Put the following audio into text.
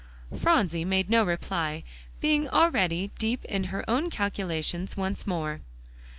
Phronsie made no reply, being already deep in her own calculations once more.